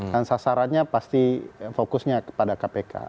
sasarannya pasti fokusnya kepada kpk